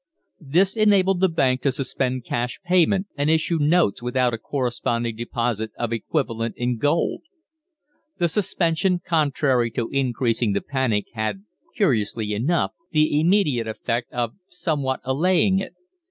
This enabled the Bank to suspend cash payment, and issue notes without a corresponding deposit of the equivalent in gold. The suspension, contrary to increasing the panic, had, curiously enough the immediate effect of somewhat allaying it.